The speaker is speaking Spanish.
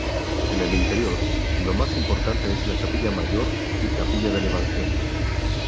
En el interior, lo más importante es la capilla mayor y capilla del Evangelio.